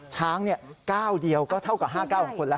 ช้างเก้าเดียวก็เท่ากับ๕เก้าของคนแล้ว